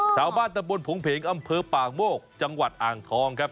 ชาวบ้านตำบลผงเพงอำเภอปากโมกจังหวัดอ่างทองครับ